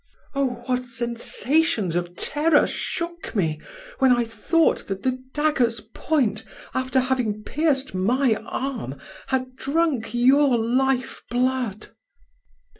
Oh! what sensations of terror shook me, when I thought that the dagger's point, after having pierced my arm, had drunk your life blood."